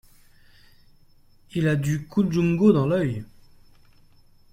Il a du conjungo dans l'oeil.